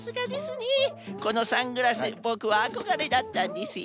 このサングラスボクはあこがれだったんですよ。